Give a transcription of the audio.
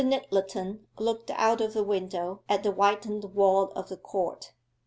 Nyttleton looked out of the window at the whitened wall of the court.